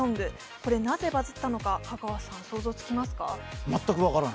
これなぜバズッたのか、香川さん、想像つきますか？